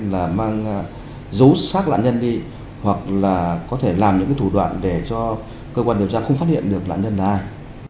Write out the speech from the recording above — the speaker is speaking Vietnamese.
dấu xác lãnh nhân đi hoặc là có thể làm những thủ đoạn để cho cơ quan điều tra không phát hiện được lãnh nhân là ai